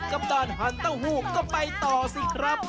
กับด่านหันเต้าหู้ก็ไปต่อสิครับ